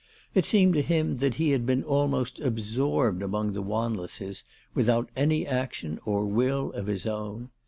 It seemed to him that he had been almost absorbed among the Wanlesses without any action or will of his own.